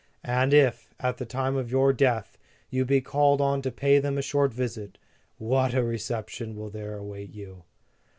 And if, at the time of your death, you be called on to pay them a short visit, what a reception will there await you!"